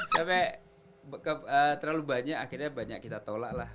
sampai terlalu banyak akhirnya banyak kita tolak lah